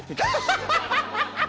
ハハハハハ。